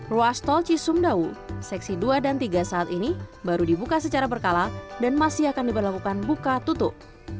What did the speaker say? ruas tol cisumdawu seksi dua dan tiga saat ini baru dibuka secara berkala dan masih akan diberlakukan buka tutup